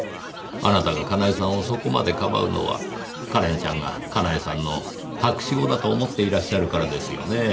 あなたがかなえさんをそこまでかばうのはカレンちゃんがかなえさんの隠し子だと思っていらっしゃるからですよねぇ？